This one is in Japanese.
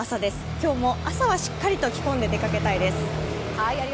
今日も朝はしっかりと着込んで出かけたいです。